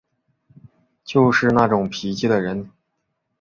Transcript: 就是那种脾气的人